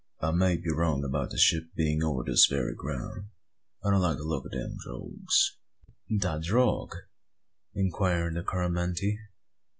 "I may be wrong about the ship being over this very ground. I don't like the look o' them drogues." "De drogue?" inquired the Coromantee.